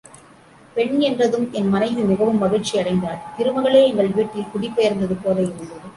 பெண் என்றதும் என் மனைவி மிகவும் மகிழ்ச்சி அடைந்தாள் திருமகளே எங்கள் வீட்டில் குடி பெயர்ந்ததுபோல இருந்தது.